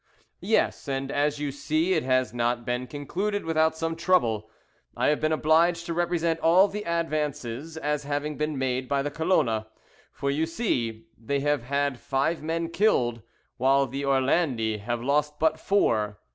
"Yes, and as you see, it has not been concluded without some trouble. I have been obliged to represent all the advances as having been made by the Colona; for, you see, they have had five men killed, while the Orlandi have lost but four.